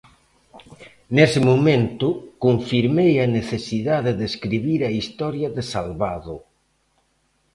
Nese momento, confirmei a necesidade de escribir a historia de Salvado.